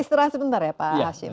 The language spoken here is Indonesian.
terima kasih sebentar ya pak hashim